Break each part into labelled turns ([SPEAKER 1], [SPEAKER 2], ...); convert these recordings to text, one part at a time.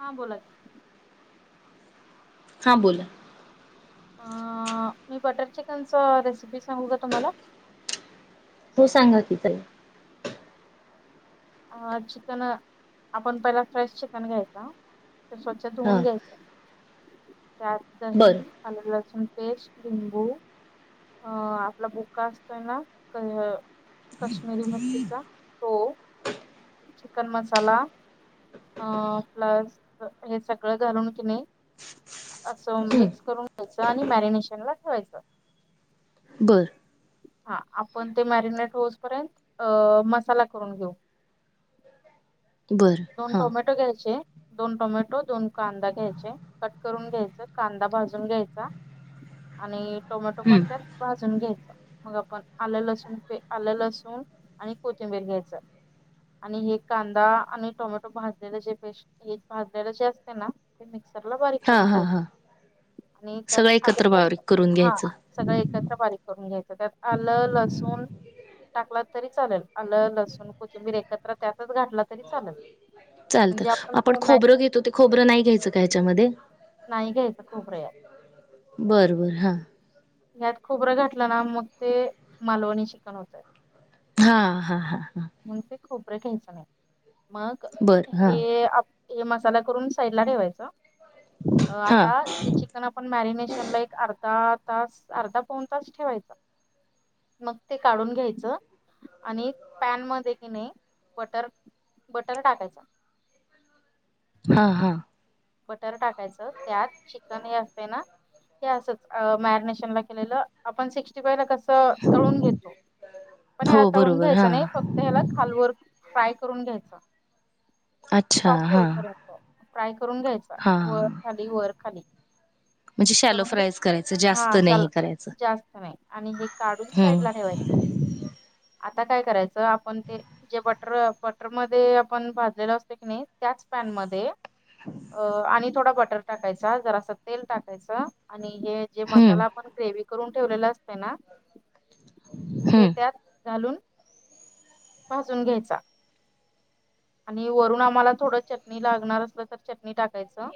[SPEAKER 1] हा बोला
[SPEAKER 2] हां बोल
[SPEAKER 1] अ मी बटर चिकनच रेसिपी सांगू का तुम्हाला?
[SPEAKER 2] हो सांगा की ताई
[SPEAKER 1] अ चिकन आपण पहिला फ्रेश चिकन घ्यायचा तर स्वच्छ
[SPEAKER 2] हा
[SPEAKER 1] धुऊन घ्यायचं त्यात दही
[SPEAKER 2] बर
[SPEAKER 1] आल, लसुन पेस्ट, लिंबू अ आपला बुका असतोय ना काश्मीरी मिरचीचा तो चिकन मसाला आ प्लस हे सगळं घालून की नहीं असं
[SPEAKER 2] हम्म
[SPEAKER 1] मिक्स करून घ्यायचं आणि मॅरिनेशन ला ठेवायचं
[SPEAKER 2] बरं
[SPEAKER 1] हा आपण ते मॅरिनेट होजपर्यंत मसाला करून घेऊ
[SPEAKER 2] बर
[SPEAKER 1] दोन
[SPEAKER 2] हा
[SPEAKER 1] टोमॅटो घ्यायचे दोन टोमॅटो, दोन कांदा घ्यायचे कट करून घ्यायचे कांदा भाजून घ्यायचा आणि टोमॅटो
[SPEAKER 2] हम्म
[SPEAKER 1] पण त्यात भाजून घ्यायच मग आपण आले लसून प आले लसुन आणि कोथिंबीर घ्यायचं आणि हे कांदा आणि टोमॅटो भाजलेलं जे पेस्ट हे भाजलेलं जे असते ना ते मिक्सरला बारीक
[SPEAKER 2] हा
[SPEAKER 1] करून
[SPEAKER 2] हा
[SPEAKER 1] घ्यायच
[SPEAKER 2] हा
[SPEAKER 1] आणि
[SPEAKER 2] सगळं
[SPEAKER 1] त्यात
[SPEAKER 2] एकत्र
[SPEAKER 1] आलं
[SPEAKER 2] बारीक करून
[SPEAKER 1] हा
[SPEAKER 2] घ्यायचं
[SPEAKER 1] सगळं एकत्र बारीक करून घ्यायचं त्यात आलं लसूण टाकला तरी चालेल आलं लसूण, कोथिंबीर एकत्र त्यातच घातला तरी चालेल
[SPEAKER 2] चालत
[SPEAKER 1] म्हणजे
[SPEAKER 2] आपण
[SPEAKER 1] ते
[SPEAKER 2] खोबरं
[SPEAKER 1] मॅरिनेट
[SPEAKER 2] घेतो ते खोबरं नाही घ्यायचं का याच्यामध्ये?
[SPEAKER 1] नाही घ्यायचं खोबर यात
[SPEAKER 2] बरं, बरं हां
[SPEAKER 1] यात खोबरं घातलं ना मग ते मालवणी चिकन होतय
[SPEAKER 2] हा, हा, हा, हा
[SPEAKER 1] मग ते खोबरं घ्यायचं नाही मग
[SPEAKER 2] बर हा
[SPEAKER 1] हे आप हे मसाला करून साईडला ठेवायच
[SPEAKER 2] हा
[SPEAKER 1] आता जे चिकन आप आपण मॅरिनेशन ला एक अर्धा तास अर्धा पाउन तास ठेवायचा मग ते काढून घ्यायचं आणि पॅन मध्ये कि नाही बटर, बटर टाकायच
[SPEAKER 2] हा, हा
[SPEAKER 1] बटर टाकायचं त्यात चिकन हे असते ना क असंच मॅरिनेशन ला केलेलं आपण सिक्स्टीफाय ला कस तळून घेतो पण ह्याला
[SPEAKER 2] हो
[SPEAKER 1] तळून
[SPEAKER 2] बरोबर हा
[SPEAKER 1] घ्यायचं नाही फक्त त्या ह्याला खालवर फ्राय करून घ्यायच.
[SPEAKER 2] अच्छा
[SPEAKER 1] सॉफ्ट
[SPEAKER 2] हा
[SPEAKER 1] होपर्यंत. फ्राय करून घ्यायच.
[SPEAKER 2] हा.
[SPEAKER 1] वर खाली.
[SPEAKER 2] म्हणजे शॅलो
[SPEAKER 1] करून
[SPEAKER 2] फ्रायच करायचं
[SPEAKER 1] घ्यायच.
[SPEAKER 2] जास्त
[SPEAKER 1] हा
[SPEAKER 2] नाही हे
[SPEAKER 1] चला.
[SPEAKER 2] करायचं
[SPEAKER 1] जास्त नाही आणि हे काढून साईड
[SPEAKER 2] हम्म
[SPEAKER 1] ला ठेवायच. आता काय करायचं आपण ते जे बटर बटर मध्ये आपण भाजलेलं असतो की नाही. त्याच पॅनमध्येध्ये.
[SPEAKER 2] ह [unintelligible]
[SPEAKER 1] अ आणि थोडा बटर टाकायचा. जरास तेल टाकायच. आणि हे जे
[SPEAKER 2] हम्म
[SPEAKER 1] मसाला आपण ग्रेवी करून ठेवलेलं असत ना. ते त्यात
[SPEAKER 2] हम्म
[SPEAKER 1] घालून भाजून घ्यायचा. आणि वरून आम्हाला थोडं चटणी लागणार असलं तर, चटणी टाकायचं.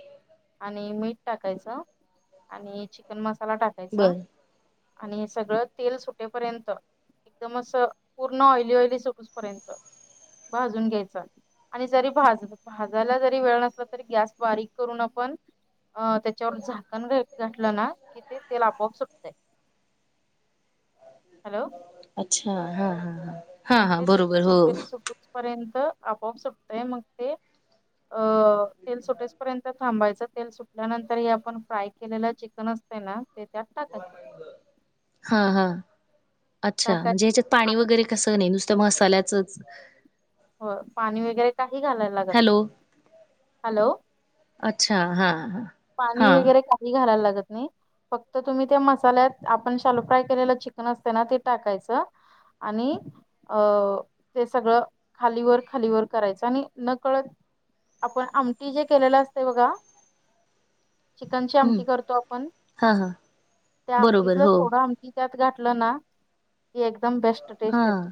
[SPEAKER 1] आणि मीठ टाकायचं. आणि चिकन मसाला टाकायचा.
[SPEAKER 2] बर
[SPEAKER 1] आणि सगळं तेल सुटेपर्यंत, एकदम असं पूर्ण ऑइली ऑइली सुटूपर्यंत भाजून घ्यायच. आणि जरी भाज भाजायला जरी वेळ नसला, तरी गॅस बारीक करून आपण अ त्याच्यावर झाकण घ घाठलं ना कि ते तेल आपोआप सुटतंय. हॅलो.
[SPEAKER 2] अच्छा, हा ह हा हा बरोबर हो.
[SPEAKER 1] र्य आपोआप सुटतय मग ते सुटे पर्यंत थांबायचं. तेल सुटल्यानंतर हे आपण फ्राय केलेलं चिकन असते ना. ते त्यात टाकायचं.
[SPEAKER 2] ह ह. अच्छा, म्हणजे
[SPEAKER 1] टाकायचं
[SPEAKER 2] ह्याच्यात पाणी
[SPEAKER 1] आणि
[SPEAKER 2] वगैरे कसं नाही. नुसत मसाल्याचं
[SPEAKER 1] हो पाणी वगैरे काही घालायला लागत
[SPEAKER 2] हॅलो
[SPEAKER 1] नाही. हॅलो.
[SPEAKER 2] अच्छा हा ह.
[SPEAKER 1] पाणी वगैरे काही घालायला लागत नाही. फक्त तुम्ही त्या मसाल्यात. आपण शालो फ्राय केलेलं चिकन असते ना. ते टाकायचं. आणि अ ते सगळं खालीवर खालीवर करायचं आणि नकळत आपण आमटी जे केलेलं असते बघा. चिकनची
[SPEAKER 2] हम्म
[SPEAKER 1] आमटी करतो आपण.
[SPEAKER 2] हा हा
[SPEAKER 1] त्या
[SPEAKER 2] बरोबर
[SPEAKER 1] आमटीतलं
[SPEAKER 2] हो
[SPEAKER 1] थोडं आम टी त्यात घातलं ना. की एकदम बेस्ट
[SPEAKER 2] हा
[SPEAKER 1] टेस्ट येते.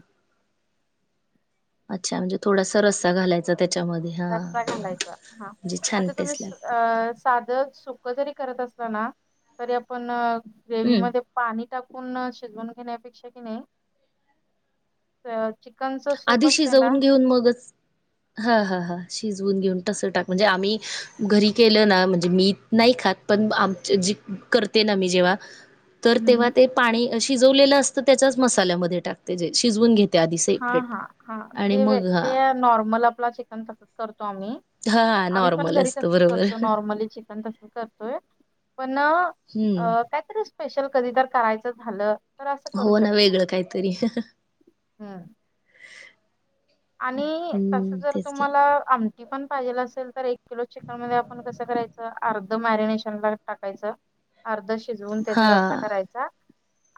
[SPEAKER 2] अच्छा म्हणजे थोडासा रस्सा घालायचा त्याच्यामध्ये. हा
[SPEAKER 1] रसा घालायचा. हा
[SPEAKER 2] म्हणजे छान
[SPEAKER 1] आता तुम्ही
[SPEAKER 2] टेस्ट लागते
[SPEAKER 1] अ साध सुक जरी करत असलं ना, तरी आपण
[SPEAKER 2] हम्म
[SPEAKER 1] ग्रेवीमध्ये पाणी टाकून शिजवून घेण्यापेक्षा की नाही चिकनचं सूप असतं ना,
[SPEAKER 2] तुन मगच. ह ह ह शिजवून घेऊन तसं टाक, म्हणजे आम्ही घरी केलं ना, म्हणजे मी नाही खात. पण आमचे जी करते ना मी जेव्हा?
[SPEAKER 1] [inaudible]
[SPEAKER 2] तर तेव्हा ते पाणी, शिजवलेलं असतं. त्याच्याच मसाल्यामध्ये टाकते. जे शिजवून घेत
[SPEAKER 1] हा हा हा ते
[SPEAKER 2] हां.
[SPEAKER 1] ते नॉर्मल आपला चिकन तसच करतो आम्ही.
[SPEAKER 2] हां,
[SPEAKER 1] आम्ही पण
[SPEAKER 2] नॉर्मल
[SPEAKER 1] घरी
[SPEAKER 2] असतं
[SPEAKER 1] तसच
[SPEAKER 2] बरोबर.
[SPEAKER 1] करतो नॉर्मली चि कण तसच करतोय. पण
[SPEAKER 2] हं.
[SPEAKER 1] काहीतरी स्पेशल कधी तर करायचं झालं तर असं करू
[SPEAKER 2] हो ना
[SPEAKER 1] शकतो.
[SPEAKER 2] वेगळं काहीतरी
[SPEAKER 1] हम् आणि तस
[SPEAKER 2] हं,
[SPEAKER 1] जर
[SPEAKER 2] तेच की.
[SPEAKER 1] तुम्हाला आम टी पण पाहिजेल असेल तर एक किलो चिकन मध्ये आपण कसं करायचं अर्ध मॅरिनेशन ला टाकायच. अर्ध शिजवून त्याचा रस्सा
[SPEAKER 2] हां,
[SPEAKER 1] करायचा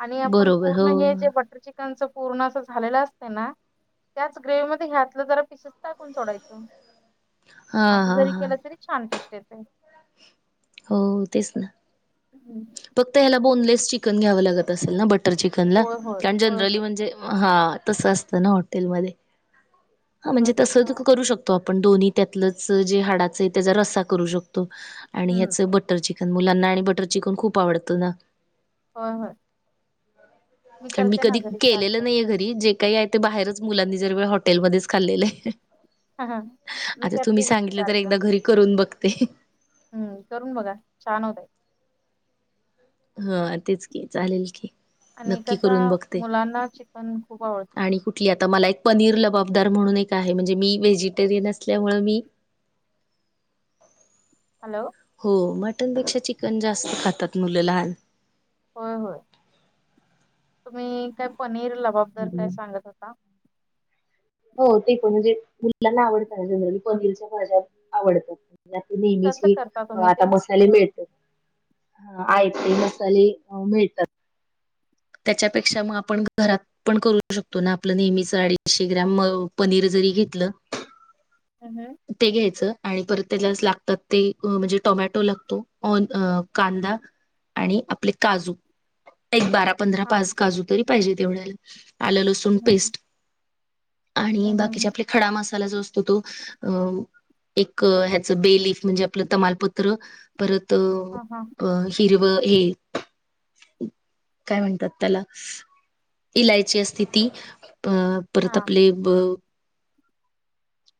[SPEAKER 1] आणि आपण
[SPEAKER 2] बरोबर. हो.
[SPEAKER 1] पूर्ण हे जे बटर चिक णच पूर्ण असं झालेलं असतय ना. ग्रेव मध्ये घातलं जरा पिसेच टाकून सोडायच
[SPEAKER 2] हां,
[SPEAKER 1] अस
[SPEAKER 2] हां,
[SPEAKER 1] जरी
[SPEAKER 2] हां.
[SPEAKER 1] केलं तरी छान टेस्ट येतय.
[SPEAKER 2] हो तेच ना.
[SPEAKER 1] हम्म
[SPEAKER 2] फक्त ह्याला बोनलेस चिकन घ्यावं लागत असेल ना बटर चिकनला
[SPEAKER 1] होय होय
[SPEAKER 2] कारण
[SPEAKER 1] होय
[SPEAKER 2] जनरली
[SPEAKER 1] होय
[SPEAKER 2] म्हणजे हा तस असतं ना हॉटेलमध्ये हा
[SPEAKER 1] सगळं
[SPEAKER 2] म्हणजे तस
[SPEAKER 1] कसं
[SPEAKER 2] तु करू शकत. तो आपण दोन्ही त्यातलंच जे हाडाचं आहे त्याचा रस्सा करू शकतो आणि
[SPEAKER 1] हम्म
[SPEAKER 2] ह्याच बट बटर चिकन मुलांना आणि बटर चिकन खूप आवडतं ना.
[SPEAKER 1] होय होय
[SPEAKER 2] कारण मी
[SPEAKER 1] करते ना
[SPEAKER 2] कधी
[SPEAKER 1] घरी
[SPEAKER 2] केलेलं
[SPEAKER 1] सारखं.
[SPEAKER 2] नाहीये घरी कधी जे काही आहे ते बाहेरच मुलांनी जर वेळ हॉटेलमध्येच खाल्लेल आहे.
[SPEAKER 1] मी
[SPEAKER 2] आता तुम्ही
[SPEAKER 1] करते घरी
[SPEAKER 2] सांगितलं तर
[SPEAKER 1] सारखं
[SPEAKER 2] एकदा घरी करून बघते.
[SPEAKER 1] हम्म करून बघा छान होतय.
[SPEAKER 2] ह तेच की चालेल की
[SPEAKER 1] आणि
[SPEAKER 2] नक्की
[SPEAKER 1] कस
[SPEAKER 2] करून बघते
[SPEAKER 1] मुलांना चिकन खूप आवडतं.
[SPEAKER 2] आणि कुठली आता मला एक पनीर लबाबदार म्हणून एक आहे म्हणजे मी व्हेजिटेरियन असल्यामुळ मी
[SPEAKER 1] हॅलो
[SPEAKER 2] हो मटणपेक्षा चिकन जास्त खातात मुलं लहान
[SPEAKER 1] होय होय तुम्ही काय पनीर लबाबदार काय सांगत होता.
[SPEAKER 2] हो ते पण म्हणजे मुलांना आवडतं ना जनरली पनीरच्या भाज्या आवडतात.
[SPEAKER 1] कसं
[SPEAKER 2] नेहमीची
[SPEAKER 1] करता तुम्ही
[SPEAKER 2] आता
[SPEAKER 1] ते?
[SPEAKER 2] मस्त मसाले मिळतात हा आयते मसाले मिळतात. त्याच्यापेक्षा मग आपण घरात पण करू शकतो ना आपलं नेहमी अडीचशे ग्राम पनीर जरी घेतलं.
[SPEAKER 1] हम्म हम्म
[SPEAKER 2] ते घ्यायचं आणि परत त्यालाच लागतात ते म्हणजे टोमॅटो लागतो आँन कांदा आणि आपले काजू एक बारा पंधरा
[SPEAKER 1] हा
[SPEAKER 2] पाच काजू तरी पाहिजे तेवढ्या आलं लसूण
[SPEAKER 1] हम्म
[SPEAKER 2] पेस्ट आणि
[SPEAKER 1] हम्म हम्म हम्म.
[SPEAKER 2] बाकीचे आपले खडा मसाला जो असतो तो अ एक ह्याचं बेलिफ म्हणजे आपलं तमालपत्र परत
[SPEAKER 1] हा हा
[SPEAKER 2] अ हिरवं हे काय म्हणतात त्याला इलायची असते ती अ
[SPEAKER 1] हा
[SPEAKER 2] परत
[SPEAKER 1] हा
[SPEAKER 2] आपले. ब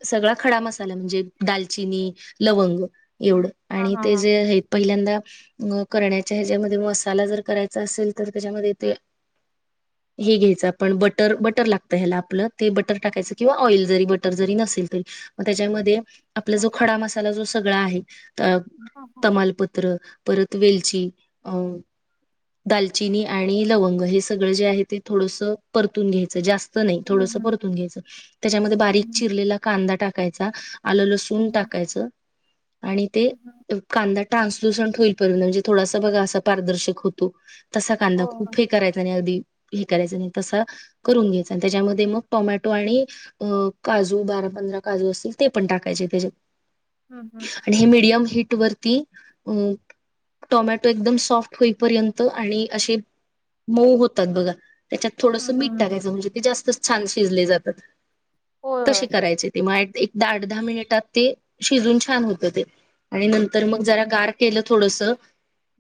[SPEAKER 2] सगळा खडा मसाला म्हणजे दालचिनी लवंग एवढं आणि ते
[SPEAKER 1] हा हा
[SPEAKER 2] जे पहिल्यांदा करण्याच्या ह्या जमध्ये मसाला जर करायचा असेल तर त्याच्यामध्ये ते हे घ्यायचं आपण बटर बटर लागतं ह्याला आपलं ते बटर टाकायचं किंवा ऑइल जरी बटर. नसेल तरी त्याच्या मध्ये आपला खडा मसाला जो आहे.
[SPEAKER 1] हां हा
[SPEAKER 2] तमालपत्र परत वेलची अ दालचिनी आणि लवंग हे सगळं जे आहे ते थोडसं परतून घ्यायचं. जास्त- - त नाही.
[SPEAKER 1] हम्म
[SPEAKER 2] थोडस
[SPEAKER 1] हम्म
[SPEAKER 2] परतून घ्यायचं. त्याच्यामध्ये
[SPEAKER 1] हम्म
[SPEAKER 2] बारीक
[SPEAKER 1] हम्म.
[SPEAKER 2] चिरलेला कांदा टाकायचा. आलं
[SPEAKER 1] हं,
[SPEAKER 2] लसुण
[SPEAKER 1] हं,
[SPEAKER 2] टाकायचं आणि ते-
[SPEAKER 1] हं, हं.
[SPEAKER 2] कांदा ट्रान्सलूसंट होईपर्यंत, म्हणजे थोडासा बघा असा पारदर्शक होतो. तसा कांदा
[SPEAKER 1] हो, हो.
[SPEAKER 2] खूप हे करायचा नाही. अगदी- हे करायचं नाही. तसं करून घ्यायच आणि त्याच्यामध्ये मग टोमॅटो आणि अ- काजू बारा पंधरा काजू असतील ते पण टाकायचे त्याच्यात.
[SPEAKER 1] हम्म हम्.
[SPEAKER 2] आणि हे मीडियम हीट वरती अ- टोमॅटो एकदम सॉफ्ट होईपर्यंत आणि असे मऊ होतात बघा. त्याच्यात थोडंसं
[SPEAKER 1] हं, हं,
[SPEAKER 2] मीठ
[SPEAKER 1] हं.
[SPEAKER 2] टाकायचं म्हणजे ते जास्त छान शिजले जातात.
[SPEAKER 1] होय, होय.
[SPEAKER 2] तसे करायचे ते. मग एक आठ दहा मिनिटात ते शिजून छान होतं ते. आणि नंतर
[SPEAKER 1] हं,
[SPEAKER 2] मग
[SPEAKER 1] हं.
[SPEAKER 2] जरा गार- केलं थोडस.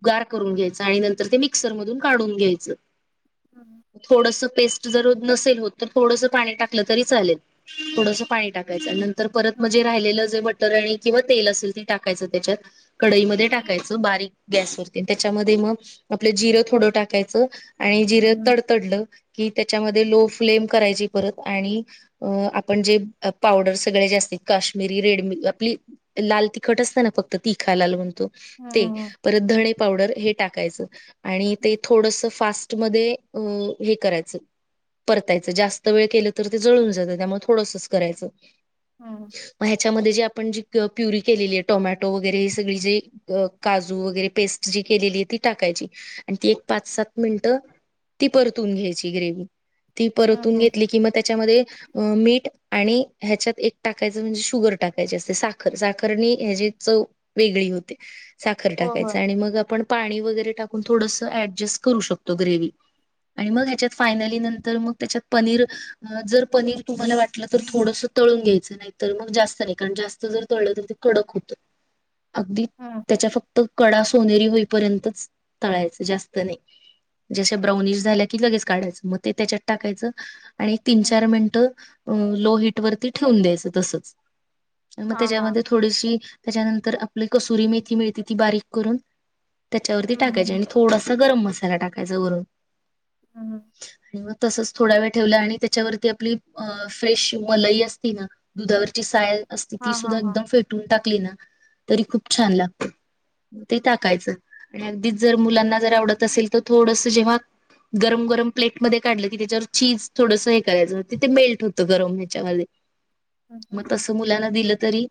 [SPEAKER 2] गार करून घ्यायचं आणि नंतर ते मिक्सर मधून काढून घ्यायचं.
[SPEAKER 1] हं,
[SPEAKER 2] थोडस पेस्ट जर नसेल होत, तर थोडस पाणी टाकलं तरी चालेल. थोडस पाणी टाक- - कायच.
[SPEAKER 1] हं.
[SPEAKER 2] नंतर परत
[SPEAKER 1] हं,
[SPEAKER 2] म्हणजे
[SPEAKER 1] हं.
[SPEAKER 2] राहिलेलं जे बटर आणि किंवा तेल असेल ते टाकायचं त्याच्यात- कढईमध्ये
[SPEAKER 1] हं, हं.
[SPEAKER 2] टाकायचं बारीक गॅसवरती. त्याच्यामध्ये मग आपलं जिरं थोडं टाकायचं. आणि
[SPEAKER 1] हं,
[SPEAKER 2] जिरे
[SPEAKER 1] हं.
[SPEAKER 2] तडतडलं की त्याच्यामध्ये लो फ्लेम करायची परत आणि- अ आपण जे पावडर सगळे जे असत काश्मीरी रेडमी आपली- लाल तिखट असत ना फक्त तिखा लाल म्हणतो.
[SPEAKER 1] हं,
[SPEAKER 2] ते
[SPEAKER 1] हं,
[SPEAKER 2] परत धणे पावडर हे टाकायचं. आणि ते
[SPEAKER 1] हं.
[SPEAKER 2] थोडस फास्- मधे हे करायच. परतायच जास्त वेळ केल तर ते जळून जात. त्यामुळे थोडसच करायचं.
[SPEAKER 1] हम.
[SPEAKER 2] मग ह्याच्यामध्ये जे आपण जी प्युरी केलेली आहे. टोमॅटो वगैरे हे सगळी जे- अ काजू वगैरे पेस्ट जी केलेली आहे. ती टाकायची आणि ती एक पाच सात मिनटं- ती परतून घ्यायची ग्रेव्ही. ती
[SPEAKER 1] हं,
[SPEAKER 2] परतून
[SPEAKER 1] हं.
[SPEAKER 2] घेतली किंवा त्याच्यामध्ये- अ मीठ आणि ह्याच्यात एक टाकायचं म्हणजे शुगर टाकायची असते. साखर साखरनी ह्याची चव- वेगळी होते. साखर
[SPEAKER 1] होय,
[SPEAKER 2] टाकायच
[SPEAKER 1] होय.
[SPEAKER 2] आणि मग आपण- पाणी वगैरे टाकून थोडस ऍडजस्ट करू शकतो ग्रेव्ही. आणि मग ह्याच्यात फायनली नंतर मग त्याच्यात पनीर. जर पनीर- तुम्हाला वाटलं तर थोडंसं तळून घ्यायचं. नाही तर मग जास्त नाही. कारण जास्त जर तळलं तर ते कडक होतं. अगदी
[SPEAKER 1] हं,
[SPEAKER 2] त्याच्या
[SPEAKER 1] हं.
[SPEAKER 2] फक्त कडा सोनेरी होईपर्यंतच तळायचं जास्त नाही. जशा ब्राउनिश झाल्या की लगेच काढायचं. मग ते त्याच्यात टाकायचं. आणि एक तीन
[SPEAKER 1] हं.
[SPEAKER 2] चार मिनटं लो हीट वरती ठेवून द्यायचं तसच. मग
[SPEAKER 1] हां, हां.
[SPEAKER 2] त्याच्यामध्ये थोडीशी, त्याच्यानंतर आपली कसुरी मेथी मिळते ती बारीक करून- त्याच्यावरती
[SPEAKER 1] हं,
[SPEAKER 2] टाकायची
[SPEAKER 1] हं.
[SPEAKER 2] आणि थोडासा गरम मसाला टाकायचा वरून.
[SPEAKER 1] हं, हं.
[SPEAKER 2] आणि मग- तसच थोडा वेळ ठेवल आणि त्याच्यावरती आपली- अ- फ्रेश मलई असती ना? दुधावरची साय असते ती
[SPEAKER 1] हां,
[SPEAKER 2] सुद्धा
[SPEAKER 1] हां, हां.
[SPEAKER 2] एकदम फे- -टून टाकली ना? तरी खूप छान लागते. ते टाकायचं. आणि अगदीच जर मुलांना जर आवडत असेल तर, थोडस जेव्हा- गरम गरम प्लेटमध्ये काढलं की, त्याच्यावर चीज थोडस हे करायचं. तिथे मेल्ट होत गरम ह्याच्यामध्ये.
[SPEAKER 1] हं, हं,
[SPEAKER 2] मग
[SPEAKER 1] हं.
[SPEAKER 2] तसं मुलांना दिलं तरी-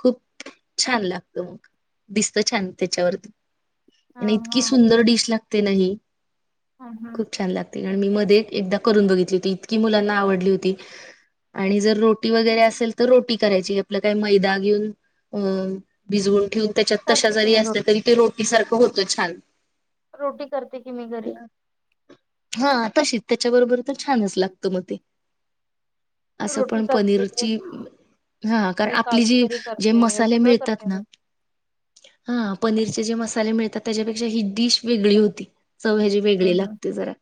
[SPEAKER 2] खूप छान लागत मग. दिसत छान त्याच्यावरती. आणि
[SPEAKER 1] हां,
[SPEAKER 2] इतकी
[SPEAKER 1] हां,
[SPEAKER 2] सुंदर डिश लागते ना ही.
[SPEAKER 1] हां हां
[SPEAKER 2] खूप छान लागते आणि मी मध्ये एकदा करून बघितली होती इतकी मुलांना आवडली होती. आणि जर रोटी वगैरे असेल तर रोटी करायची आपलं काही मैदा घेऊन अं भिजवून ठेवून त्याच्यात तशा
[SPEAKER 1] करते की
[SPEAKER 2] जरी
[SPEAKER 1] मी
[SPEAKER 2] असल्या
[SPEAKER 1] रोटी.
[SPEAKER 2] तरी ते रोटी सारखं होतं छान..
[SPEAKER 1] रोटी करते कि मी घरी
[SPEAKER 2] हा तशीच त्याच्याबरोबर तर छानच लागत मग ते. असं
[SPEAKER 1] रोटी
[SPEAKER 2] पण
[SPEAKER 1] करते,
[SPEAKER 2] पनीरची हा कारण
[SPEAKER 1] मी
[SPEAKER 2] आपली
[SPEAKER 1] काजू
[SPEAKER 2] जी
[SPEAKER 1] करी
[SPEAKER 2] जे
[SPEAKER 1] करते, हे
[SPEAKER 2] मसाले
[SPEAKER 1] सगळं
[SPEAKER 2] मिळतात
[SPEAKER 1] करते मी.
[SPEAKER 2] ना हा पनीरचे जे मसाले मिळतात त्याच्यापेक्षा ही डिश वेगळी होती चव
[SPEAKER 1] हं,
[SPEAKER 2] वेगळे
[SPEAKER 1] हं.
[SPEAKER 2] लागते जरा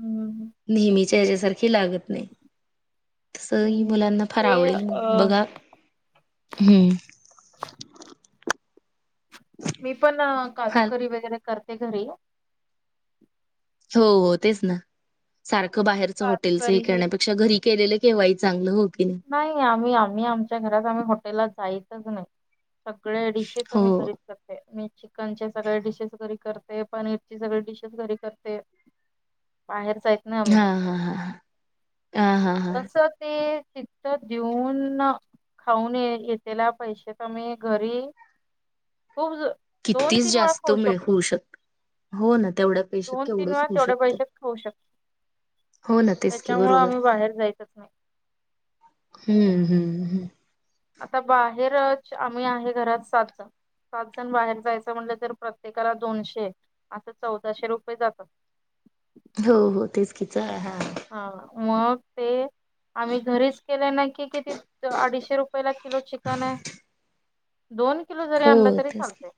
[SPEAKER 1] हं, हं.
[SPEAKER 2] नेहमीच्या ह्याच्यासारखे लागत नाही. तसं
[SPEAKER 1] हं,
[SPEAKER 2] ही
[SPEAKER 1] हं.
[SPEAKER 2] मुलांना फार
[SPEAKER 1] ते
[SPEAKER 2] आवडेल मग
[SPEAKER 1] अ,
[SPEAKER 2] बघा हम्म
[SPEAKER 1] मी पण
[SPEAKER 2] हा
[SPEAKER 1] काजूकरी वगैरे करते घरी.
[SPEAKER 2] हो हो तेच ना सारखं बाहेरच
[SPEAKER 1] काजू
[SPEAKER 2] हॉटेलच हे
[SPEAKER 1] करी
[SPEAKER 2] करण्यापेक्षा घरी केलेले केव्हाही चांगलं हो की नाही.
[SPEAKER 1] नाही आम्ही आम्ही आमच्या घरात आम्ही हॉटेलला जायचच नाही. सगळ्या डिशेस आम्ही
[SPEAKER 2] हो
[SPEAKER 1] खरीद करते मी चिकनच्या सगळ्या डिशेस घरी करत ते पनीरची सगळी डिशेस घरी करते बाहेर जाय नाही मी
[SPEAKER 2] हा हा हा हा हा हा.
[SPEAKER 1] तसं ते तर देऊन खाऊन येतला पैसे तर मी घरी खूप दोन
[SPEAKER 2] कितीच
[SPEAKER 1] तीन वेळा
[SPEAKER 2] जास्त
[SPEAKER 1] खाऊ
[SPEAKER 2] मिळ
[SPEAKER 1] शकतो
[SPEAKER 2] होऊ शकत हो ना तेवढ्या पैशात
[SPEAKER 1] दोन तीन
[SPEAKER 2] केवढंच
[SPEAKER 1] वेळा
[SPEAKER 2] होऊ
[SPEAKER 1] तेवढ्या
[SPEAKER 2] शकतं.
[SPEAKER 1] पैशात होऊ शकत
[SPEAKER 2] हो ना तेच की
[SPEAKER 1] त्याच्यामुळ
[SPEAKER 2] बरोबर
[SPEAKER 1] आम्ही बाहेर जायचच नाही‌
[SPEAKER 2] हम्म हम् हम्म
[SPEAKER 1] आता बाहेरच आम्ही आहे घरात सात जण सात जण बाहेर जायचं म्हणलं तर प्रत्येकाला दोनशे आता चौदाशे रुपये जातात.
[SPEAKER 2] हो हो तेच कि [unintelligible]
[SPEAKER 1] हा मग ते आम्ही घरीच केले ना की किती अडीचशे रुप [unintelligible] किलो चिकन आहे. दोन किलो जरी
[SPEAKER 2] हो
[SPEAKER 1] आलं तरी
[SPEAKER 2] तेच की.
[SPEAKER 1] चालतय.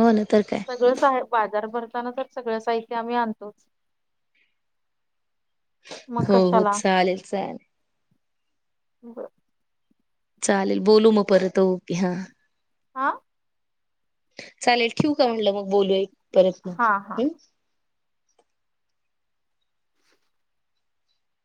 [SPEAKER 2] हो ना तर काय
[SPEAKER 1] सगळं सा बाजार भरताना तर सगळं साहित्य आम्ही आणतोच. मग
[SPEAKER 2] हो हो
[SPEAKER 1] कशाला.
[SPEAKER 2] चालेल चालेल चालेल बोलू मग परत ओके हां
[SPEAKER 1] हां
[SPEAKER 2] चालेल ठेवू का म्हटलं मग बोलूया परत मग
[SPEAKER 1] हा हा.
[SPEAKER 2] हम्म